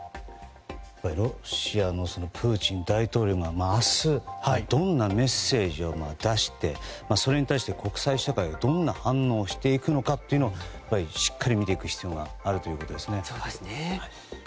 ロシアのプーチン大統領が明日どんなメッセージを出してそれに対して、国際社会がどんな反応をするかしっかり見ていく必要があるということですね。